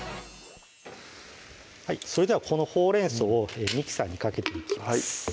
それではこのほうれん草をミキサーにかけていきます